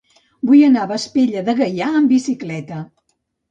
Vull anar a Vespella de Gaià amb bicicleta.